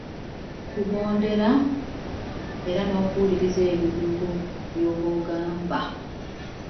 Okukugondera era n'okuwuliriza ebyo by'obagamba.